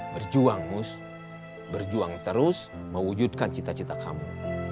berjuang mus berjuang terus mewujudkan cita cita kamu